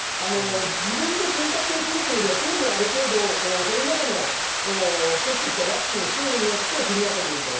自分で選択するというよりは、政府がある程度、それまでの接種したワクチンの種類によって振り分けていると。